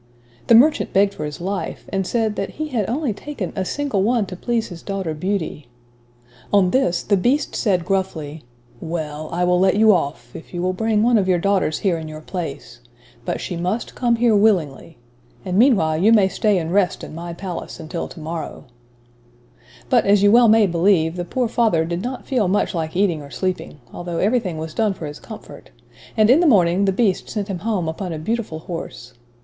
The merchant begged for his life, and said, that he had only taken "a single one to please his daughter Beauty." On this, the beast said gruffly, "well, I will let you off, if you will bring one of your daughters here in your place. But she must come here willingly, and meanwhile you may stay and rest in my palace until to morrow." But, as you may well believe, the poor father did not feel much like eating or sleeping; although everything was done for his comfort, and, in the morning, the Beast sent him home upon a beautiful horse.